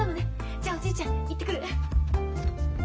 じゃあおじいちゃん行ってくる。